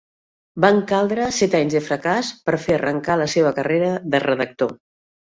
Van caldre set anys de fracàs per fer arrencar la seva carrera de redactor.